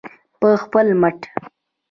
په خپل مټ.